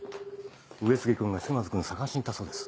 上杉君が島津君捜しに行ったそうです。